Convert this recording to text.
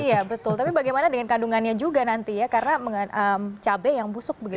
iya betul tapi bagaimana dengan kandungannya juga nanti ya karena cabai yang busuk begitu ya